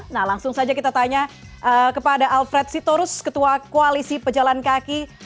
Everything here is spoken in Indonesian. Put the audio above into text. nah langsung saja kita tanya kepada alfred sitorus ketua koalisi pejalan kaki